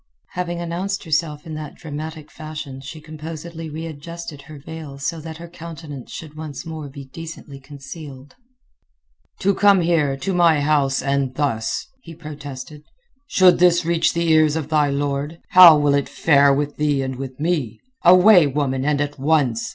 Having announced herself in that dramatic fashion she composedly readjusted her veil so that her countenance should once more be decently concealed. "To come here, to my house, and thus!" he protested. "Should this reach the ears of thy lord, how will it fare with thee and with me? Away, woman, and at once!"